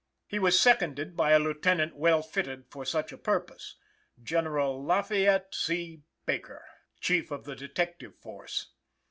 He was seconded by a lieutenant well fitted for such a purpose General Lafayette C. Baker, Chief of the Detective Force.